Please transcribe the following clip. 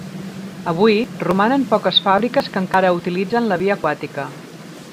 Avui, romanen poques fàbriques que encara utilitzen la via aquàtica.